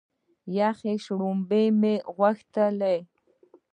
یخې شلومبې مو غوښتلې.